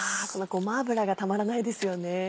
ごま油がたまらないですよね。